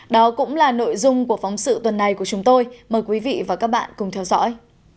đó cũng là nội dung của phóng sự tuần này của chúng tôi mời quý vị và các bạn cùng theo dõi